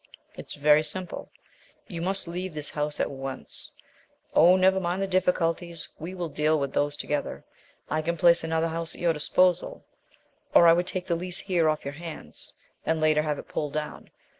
It is very simple: you must leave this house at once. Oh, never mind the difficulties; we will deal with those together. I can place another house at your disposal, or I would take the lease here off your hands, and later have it pulled down.